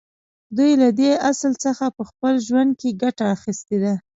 دوی له دې اصل څخه په خپل ژوند کې ګټه اخیستې ده